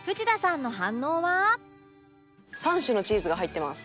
３種のチーズが入ってます。